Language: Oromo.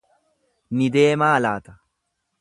Ni deemaa laata?